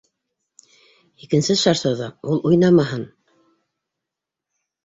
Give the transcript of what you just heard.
Икенсе шаршауҙа ул уйнамаһын!